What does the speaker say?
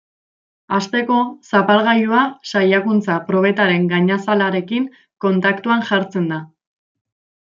Hasteko, zapalgailua saiakuntza-probetaren gainazalarekin kontaktuan jartzen da.